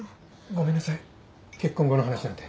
ごめんなさい結婚後の話なんて